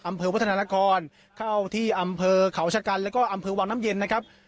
วัฒนานครเข้าที่อำเภอเขาชะกันแล้วก็อำเภอวังน้ำเย็นนะครับ